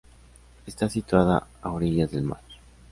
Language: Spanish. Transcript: Está situada a orillas del mar.